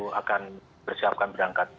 aku akan bersiapkan berangkat